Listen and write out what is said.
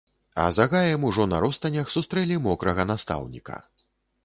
А за гаем, ужо на ростанях сустрэлі мокрага настаўніка.